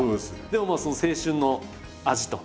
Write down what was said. でもまあ青春の味と。